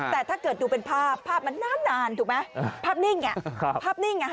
แต่ถ้าเกิดดูเป็นภาพภาพมันนานถูกไหมภาพนิ่งภาพนิ่ง